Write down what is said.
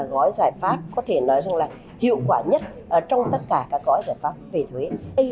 gói giải pháp có thể nói rằng là hiệu quả nhất trong tất cả các gói giải pháp về thuế